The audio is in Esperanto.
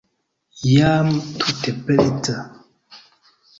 Jam tute preta.